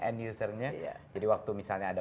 end usernya jadi waktu misalnya ada